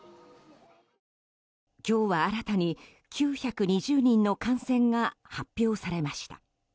今日は新たに９２０人の感染が発表されました。